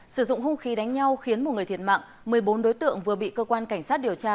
sử dụng hung khí đánh nhau khiến một người thiệt mạng một mươi bốn đối tượng vừa bị cơ quan cảnh sát điều tra